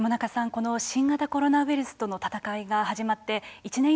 この新型コロナウイルスとの闘いが始まって１年以上が経過しました。